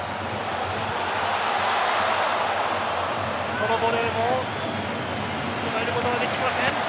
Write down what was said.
このボレーも捉えることができません。